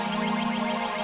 tante mau menjelaskan